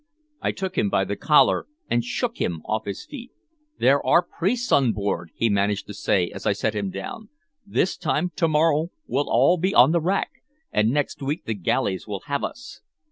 I took him by the collar and shook him off his feet. "There are priests on board!" he managed to say as I set him down. "This time to morrrow we'll all be on the rack! And next week the galleys will have us!"